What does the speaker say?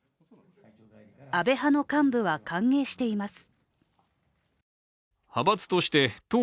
安倍派の幹部は歓迎しています。